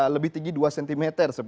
lebih tinggi dua cm